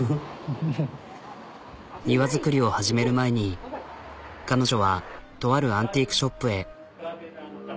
庭造りを始める前に彼女はとあるアンティークショップへ。